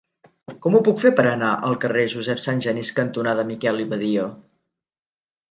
Com ho puc fer per anar al carrer Josep Sangenís cantonada Miquel i Badia?